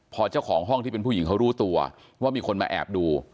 พอเจ้าของห้องที่เป็นผู้หญิงเขารู้ตัวว่ามีคนมาแอบดู